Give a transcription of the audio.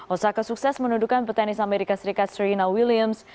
osaka sukses menundukan petenis amerika serikat strena williams